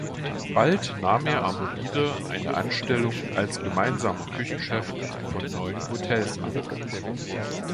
Bald nahm er aber wieder eine Anstellung als gemeinsamer Küchenchef von neun Hotels an.